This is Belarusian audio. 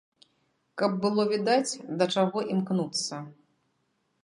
Каб было відаць, да чаго імкнуцца.